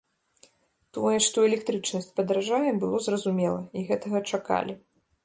Тое, што электрычнасць падаражае, было зразумела і гэтага чакалі.